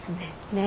ねえ。